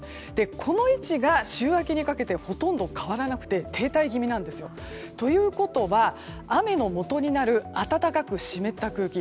この位置が週明けにかけてほとんど変わらなくて停滞気味なんですよ。ということは、雨のもとになる暖かく湿った空気